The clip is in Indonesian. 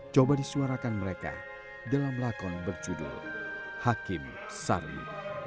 coba disuarakan mereka dalam lakon berjudul hakim sari